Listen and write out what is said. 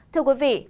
thưa quý vị